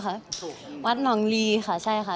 นะครับค่ะวัดหนองลีค่ะใช่ค่ะ